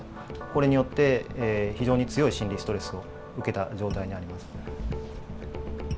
これによって非常に強い心理ストレスを受けた状態にあります。